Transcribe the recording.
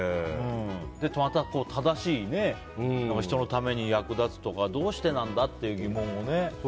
また、人のために役立つとかどうしてなんだという疑問をね。